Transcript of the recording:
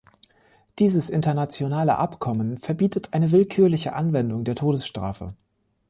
Dieses internationale Abkommen verbietet eine willkürliche Anwendung der Todesstrafe.